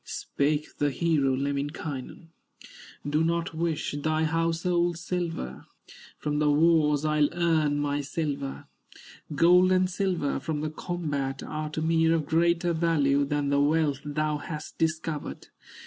Spake the hero, Lemminkainen: "Do not wish thy household silver, From the wars I'll earn my silver; Gold and silver from the combat Are to me of greater value Than the wealth thou hast discovered.